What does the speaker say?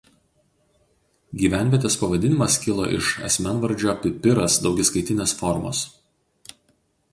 Gyvenvietės pavadinimas kilo iš asmenvardžio "Pipiras" daugiskaitinės formos.